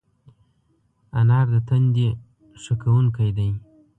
انار د تندي ښه کوونکی دی.